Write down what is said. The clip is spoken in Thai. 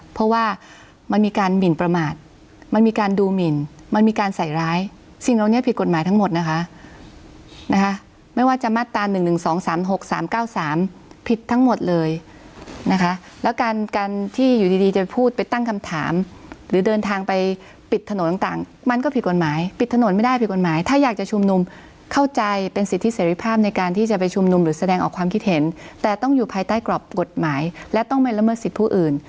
เพราะว่ามันมีการหมินประมาทมันมีการดูหมินมันมีการใส่ร้ายสิ่งเหล่านี้ผิดกฎหมายทั้งหมดนะคะนะคะไม่ว่าจะมาตรา๑๑๒๓๖๓๙๓ผิดทั้งหมดเลยนะคะแล้วกันการที่อยู่ดีจะพูดไปตั้งคำถามหรือเดินทางไปปิดถนนต่างมันก็ผิดกฎหมายปิดถนนไม่ได้ผิดกฎหมายถ้าอยากจะชุมนุมเข้าใจเป็นสิทธิเสริภาพในการที่จะไปชุมนุมหรือแส